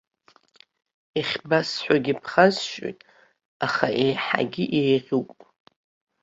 Иахьбасҳәогьы ԥхасшьоит, аха иаҳагьы еиӷьуп.